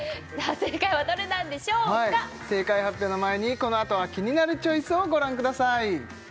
正解はどれなんでしょうか正解発表の前にこのあとは「キニナルチョイス」をご覧ください